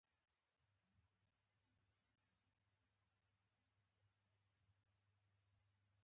د خبرو په جګړه کې دواړه خواوې د خوږېدو ادعا کوي.